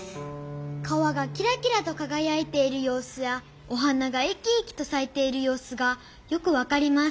「川がきらきらとかがやいているようすやお花がいきいきとさいているようすがよくわかります」